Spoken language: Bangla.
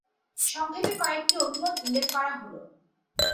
সংক্ষেপে কয়েকটি অভিমত উল্লেখ করা হল।